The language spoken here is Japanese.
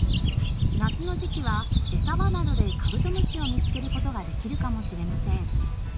夏の時期はエサ場などでカブトムシを見つける事ができるかもしれません。